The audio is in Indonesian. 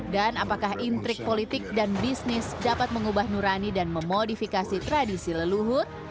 dan apakah intrik politik dan bisnis dapat mengubah nurani dan memodifikasi tradisi leluhur